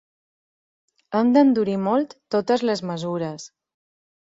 Hem d’endurir molt totes les mesures.